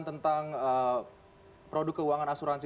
tentang produk keuangan asuransi